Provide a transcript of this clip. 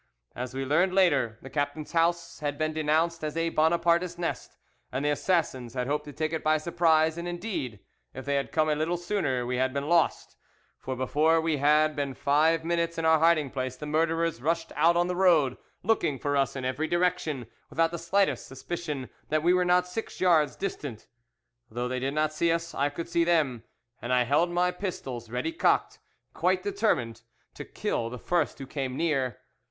"As we learned later, the captain's house had been denounced as a Bonapartist nest, and the assassins had hoped to take it by surprise; and, indeed, if they had come a little sooner we had been lost, for before we had been five minutes in our hiding place the murderers rushed out on the road, looking for us in every direction, without the slightest suspicion that we were not six yards distant. Though they did not see us I could see them, and I held my pistols ready cocked, quite determined to kill the first who came near.